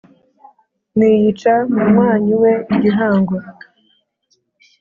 niyica munywanyi we igihango